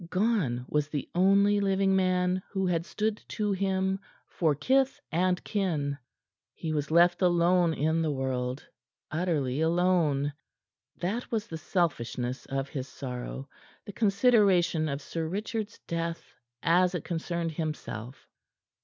Gone was the only living man who had stood to him for kith and kin. He was left alone in the world; utterly alone. That was the selfishness of his sorrow the consideration of Sir Richard's death as it concerned himself.